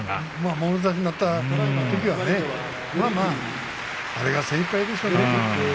もろ差しになったときはね、まあまああれが精いっぱいでしょう。